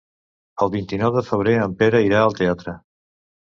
El vint-i-nou de febrer en Pere irà al teatre.